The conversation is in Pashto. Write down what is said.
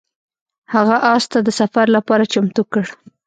هغه اس ته د سفر لپاره چمتو کړ.